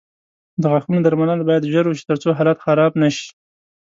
د غاښونو درملنه باید ژر وشي، ترڅو حالت خراب نه شي.